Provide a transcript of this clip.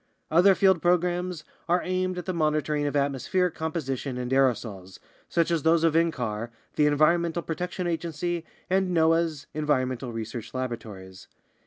Other field programs are aimed at the monitoring of atmospheric com position and aerosols, such as those of ncar, the Environmental Pro tection Agency, and noaa's Environmental Research Laboratories.